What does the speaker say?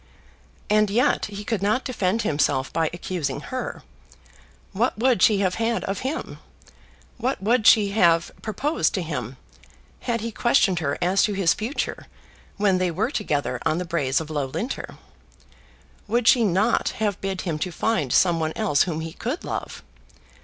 And yet he could not defend himself by accusing her. What would she have had of him? What would she have proposed to him, had he questioned her as to his future, when they were together on the braes of Loughlinter? Would she not have bid him to find some one else whom he could love?